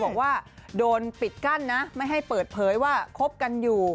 บอกว่าโดนปิดกั้นนะไม่ให้เปิดเผยว่าคบกันอยู่